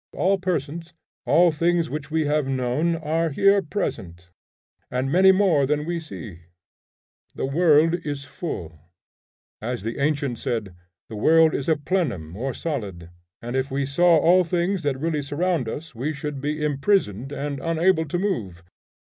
All persons, all things which we have known, are here present, and many more than we see; the world is full. As the ancient said, the world is a plenum or solid; and if we saw all things that really surround us we should be imprisoned and unable to move.